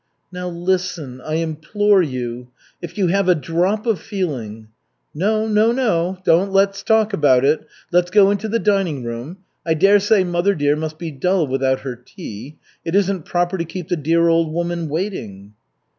"Now, listen, I implore you. If you have a drop of feeling " "No, no, no! Don't let us talk about it. Let's go into the dining room. I dare say mother dear must be dull without her tea. It isn't proper to keep the dear old woman waiting."